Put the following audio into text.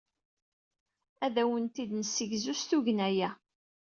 Ad awent-d-nessegzu s tugna-a.